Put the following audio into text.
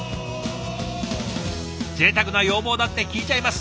ぜいたくな要望だって聞いちゃいます。